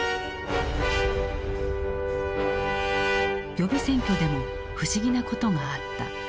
予備選挙でも不思議なことがあった。